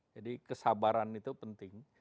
jadi kesabaran itu penting